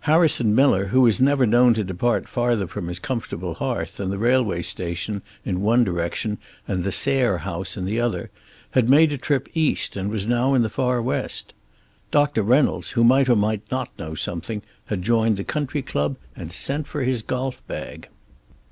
Harrison Miller, who was never known to depart farther from his comfortable hearth than the railway station in one direction and the Sayre house in the other, had made a trip East and was now in the far West. Doctor Reynolds, who might or might not know something, had joined the country club and sent for his golf bag.